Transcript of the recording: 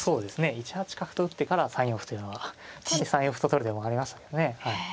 １八角と打ってから３四歩というのは３四歩と取る手もありましたけどね。